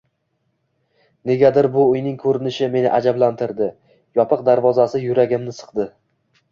Negadir bu uyning ko`rinishi meni ajablantirdi, yopiq darvozasi yuragimni siqdi